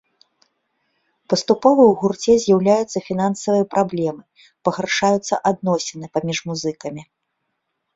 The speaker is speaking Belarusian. Паступова ў гурце з'яўляюцца фінансавыя праблемы, пагаршаюцца адносіны паміж музыкамі.